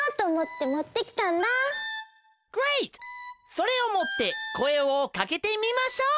それをもってこえをかけてみましょう。